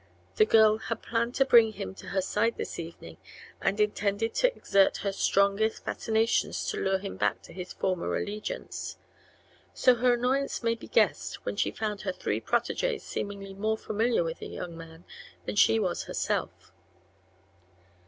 The girl had planned to bring him to her side this evening and intended to exert her strongest fascinations to lure him back to his former allegiance; so her annoyance may be guessed when she found her three protégées seemingly more familiar with the young man than was she herself.